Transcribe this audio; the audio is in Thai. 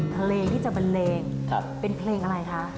เพลงที่จะบันเลงเป็นเพลงอะไรคะ